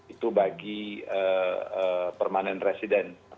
itu bagi permanent resident